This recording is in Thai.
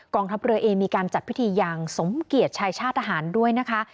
ทัพเรือเองมีการจัดพิธีอย่างสมเกียจชายชาติทหารด้วยนะคะ